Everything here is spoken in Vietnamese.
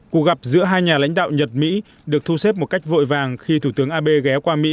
cuộc gặp giữa hai nhà lãnh đạo nhật mỹ được thu xếp một cách vội vàng khi thủ tướng abe ghé qua mỹ